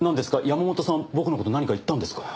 山本さん僕の事何か言ったんですか？